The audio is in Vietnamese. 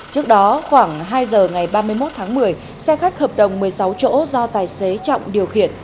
trước đó khoảng hai giờ ngày ba mươi một tháng một mươi xe khách hợp đồng một mươi sáu chỗ do tài xế trọng điều khiển